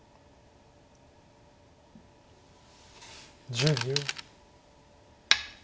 １０秒。